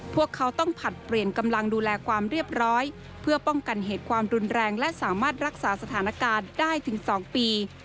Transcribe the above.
พวกเขาต้องผลัดเปลี่ยนกำลังดูแลความเรียบร้อยเพื่อป้องกันเหตุความรุนแรงและสามารถรักษาสถานการณ์ได้ถึง๒ปี